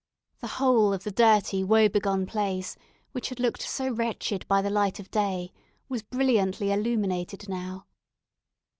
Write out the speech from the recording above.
The whole of the dirty, woe begone place, which had looked so wretched by the light of day, was brilliantly illuminated now.